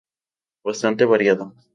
Bastante variado".